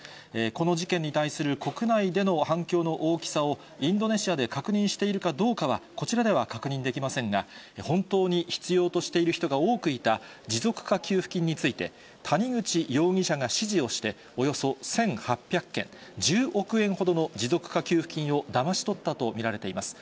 この事件に対する国内での反響の大きさを、インドネシアで確認しているかどうかは、こちらでは確認できませんが、本当に必要としている人が多くいた持続化給付金について、谷口容疑者が指示をして、およそ１８００件、１０億円ほどの持続化給付金をだまし取ったと見られています。